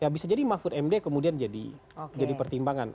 bisa jadi mahfud md kemudian jadi pertimbangan